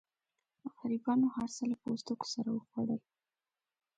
غریبانو هرڅه له پوستکو سره وخوړل.